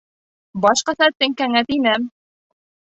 Башҡаса теңкәңә теймәм.